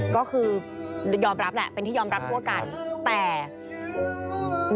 ก็คือยอมรับแหละเป็นที่ยอมรับทั่วกันแต่